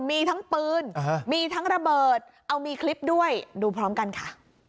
มีทั้งปืนมีทั้งระเบิดเอามีคลิปด้วยดูพร้อมกันค่ะ